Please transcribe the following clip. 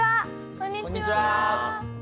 こんにちは！